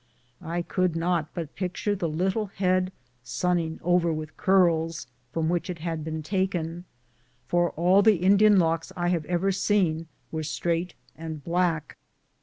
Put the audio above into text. I could not but picture the lit tle head, " sunning over with curls," from which it had been taken, for all the Indian locks I have ever seen were straight and black.